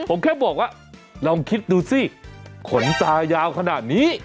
ผมแค่บอกว่าลองคิดดูสิขนตายาวขนาดนี้